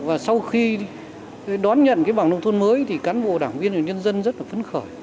và sau khi đón nhận cái bằng nông thôn mới thì cán bộ đảng viên và nhân dân rất là phấn khởi